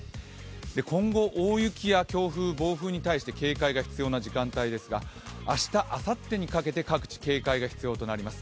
今後大雪や強風暴風に対して警戒が必要な時間帯ですが明日、あさってにかけて各地警戒が必要となります。